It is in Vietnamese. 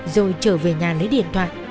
rồi trở về nhà lấy điện thoại